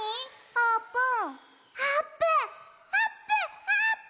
あーぷん！